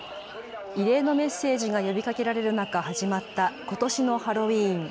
異例のメッセージが呼びかけられる中、始まったことしのハロウィーン。